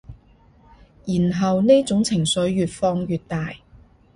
然後呢種情緒越放越大